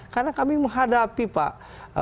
karena kami menghadapi pak